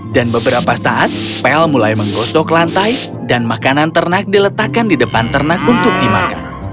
dan beberapa saat pel mulai menggosok lantai dan makanan ternak diletakkan di depan ternak untuk dimakan